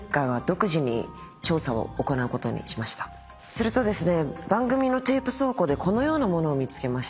するとですね。